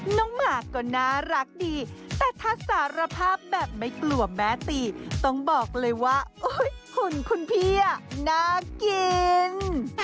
หมากก็น่ารักดีแต่ถ้าสารภาพแบบไม่กลัวแม่ตีต้องบอกเลยว่าหุ่นคุณพี่น่ากิน